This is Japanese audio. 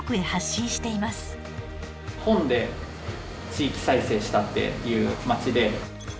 本で地域再生したっていう街で。